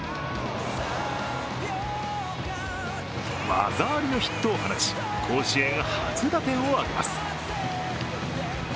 技ありのヒットを放ち、甲子園初打点を挙げます。